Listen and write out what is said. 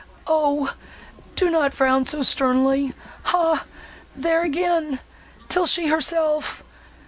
—O! do not frown so sternly! Hah! there again! 'tis she herself!